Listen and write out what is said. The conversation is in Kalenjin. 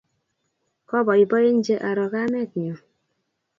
Kapoipoenji aro kamet nyu